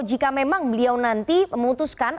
jika memang beliau nanti memutuskan